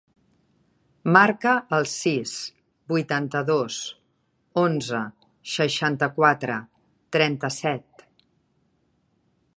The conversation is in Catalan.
Marca el sis, vuitanta-dos, onze, seixanta-quatre, trenta-set.